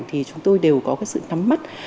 thì chúng tôi đều có sự thắm mắt